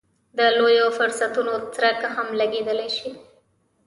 د لویو فرصتونو څرک هم لګېدلی شي.